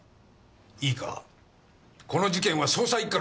いいかこの事件は捜査一課の担当だ。